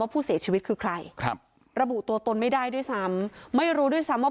ผู้เสียชีวิตคือใครครับระบุตัวตนไม่ได้ด้วยซ้ำไม่รู้ด้วยซ้ำว่า